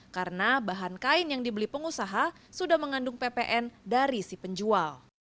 karena bahan kain yang dibeli pengusaha sudah mengandung ppn dari si penjual